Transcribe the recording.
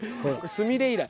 「スミレ」以来。